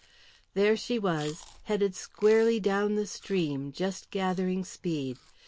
There she was, headed squarely down the stream, just gathering speed.